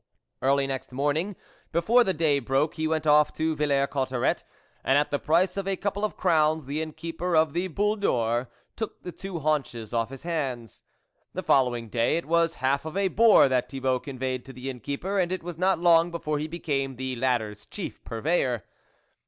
Early next morning, before the day broke, he went off to Villers Cotterets, and at the price of a couple of crowns, the Innkeeper of the Boule d'Or, took the two haunches off his hands. The following day, it was half of a boar that Thibault conveyed to the Innkeeper, and it was not long before he became the latter's chief purveyor.